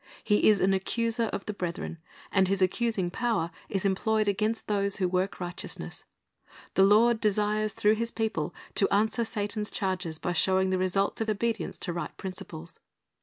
He is an accuser of the brethren, and his accusing power is employed against those who work righteousness. The Lord desires through His people to answer Satan's charges by showing the results of obedience to right principles.